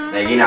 kayak gini lah